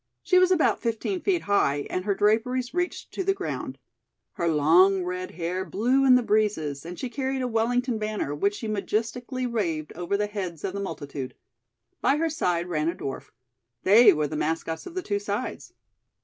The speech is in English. She was about fifteen feet high, and her draperies reached to the ground. Her long red hair blew in the breezes and she carried a Wellington banner, which she majestically waved over the heads of the multitude. By her side ran a dwarf. They were the mascots of the two sides.